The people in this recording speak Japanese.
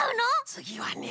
つぎはね。